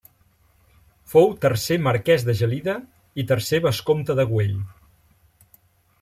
Fou tercer Marquès de Gelida i tercer Vescomte de Güell.